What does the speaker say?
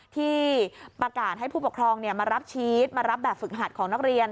ที่ประกาศให้ผู้ปกครองมารับชีสมารับแบบฝึกหัดของนักเรียน